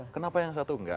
kenapa yang satu enggak